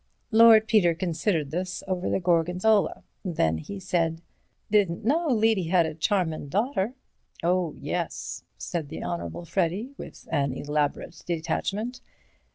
Lord Peter considered this over the Gorgonzola. Then he said: "Didn't know Levy had a charmin' daughter." "Oh, yes," said the Honourable Freddy, with an elaborate detachment.